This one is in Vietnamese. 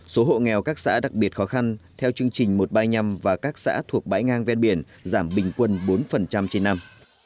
số hộ nghèo các xã đặc biệt khó khăn theo chương trình một bài nhăm và các xã thuộc bãi ngang ven biển giảm bình quân bốn trên năm